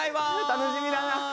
楽しみだな。